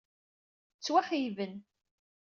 Ttwaxeyyben.